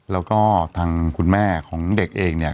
แล้วก็ทางคุณแม่ของเด็กเองเนี่ย